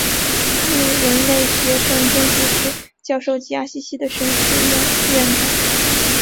他是人类学圣经注释教授及阿西西的神学院院长。